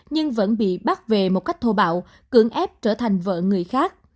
nhưng vẫn bị bắt về một cách thô bạo cưỡng ép trở thành vợ người khác